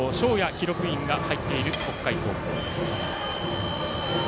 記録員が入っている北海高校です。